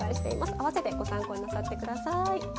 併せてご参考になさってください。